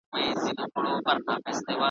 پټ یې غوږ ته دی راوړی د نسیم پر وزر زېری `